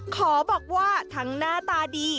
ขอบอกว่าทั้งหน้าตาดี